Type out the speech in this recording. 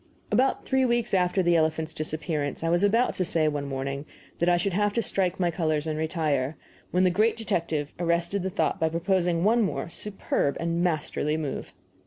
About three weeks after the elephant's disappearance I was about to say, one morning, that I should have to strike my colors and retire, when the great detective arrested the thought by proposing one more superb and masterly move.